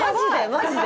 マジで？